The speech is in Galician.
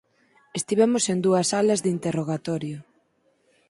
Estivemos en dúas salas de interrogatorio.